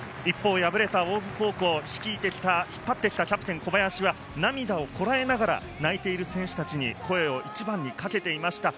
敗れた大津高校を率いてきたキャプテン・小林は、涙をこらえながら、泣いている選手達に声を一番にかけていました。